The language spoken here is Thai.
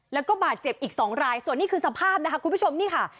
แล้วก็บาดเจ็บอีก๒รายส่วนนี้คือสภาพนะคะคุณผู้ชมนี่ค่ะ